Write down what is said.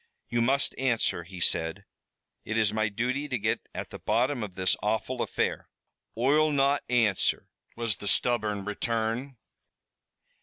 "You must answer," he said. "It is my duty to get at the bottom of this awful affair." "Oi'll not answer," was the stubborn return.